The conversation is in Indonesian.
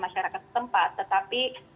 masyarakat tempat tetapi